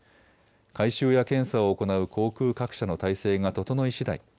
改修や検査を行う航空各社の体制が整いしだい